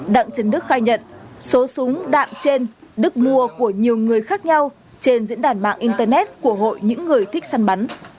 đặng trần đức khai nhận số súng đạn trên đức mua của nhiều người khác nhau trên diễn đàn mạng internet của hội những người thích săn bắn